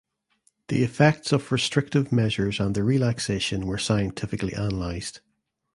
The effects of restrictive measures and their relaxation were scientifically analyzed.